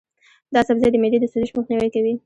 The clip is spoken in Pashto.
دا سبزی د معدې د سوزش مخنیوی کوي.